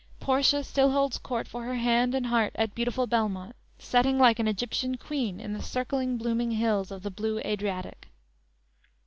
Portia still holds court for her hand and heart at beautiful "Belmont," setting like an Egyptian Queen in the circling, blooming hills of the blue Adriatic.